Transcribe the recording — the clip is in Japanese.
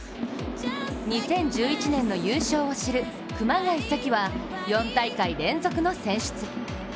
２０１１年の優勝を知る熊谷紗希は４大会連続の選出。